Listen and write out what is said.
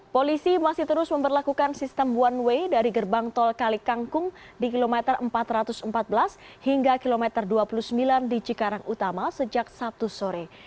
polisi masih terus memperlakukan sistem one way dari gerbang tol kalikangkung di kilometer empat ratus empat belas hingga kilometer dua puluh sembilan di cikarang utama sejak sabtu sore